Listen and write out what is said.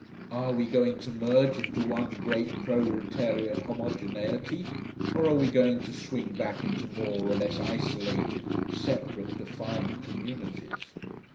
Are we going to merge into one grey proletarian homogeneity? or are we going to swing back into more or less isolated, separate, defiant communities?